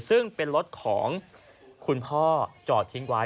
ซึ่งเป็นรถของคุณพ่อจอดทิ้งไว้